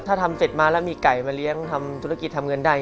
ถ้าทำเสร็จมาแล้วมีไก่มาเลี้ยงทำธุรกิจทำเงินได้